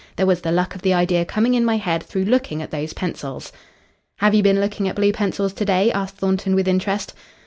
There was the luck of the idea coming in my head through looking at those pencils." "Have you been looking at blue pencils to day?" asked Thornton with interest.